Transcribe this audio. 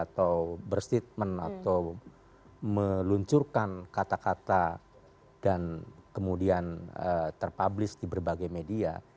atau berstatement atau meluncurkan kata kata dan kemudian terpublis di berbagai media